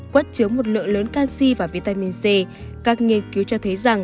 quất chứa một lượng lớn canxi và vitamin c các nghiên cứu cho thấy rằng